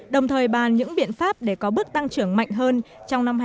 đồng thời bàn những biện pháp để có bước tăng trưởng mạnh hơn trong năm hai nghìn hai mươi